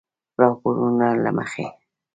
راپورله مخې